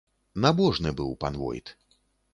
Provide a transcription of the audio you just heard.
Набожны быў пан войт.